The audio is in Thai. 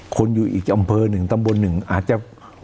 คนอยู่อีกอำเภอหนึ่งตำบลหนึ่งอาจจะ